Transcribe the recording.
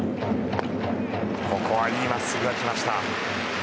いいまっすぐが来ました。